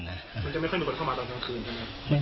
มันจะไม่ค่อยมีคนเข้ามาตลอดทางคืนใช่ไหม